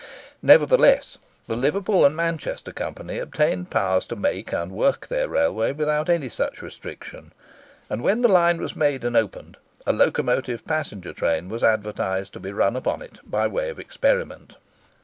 Nevertheless, the Liverpool and Manchester Company obtained powers to make and work their railway without any such restriction; and when the line was made and opened, a locomotive passenger train was advertised to be run upon it, by way of experiment.